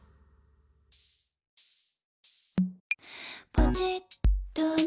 「ポチッとね」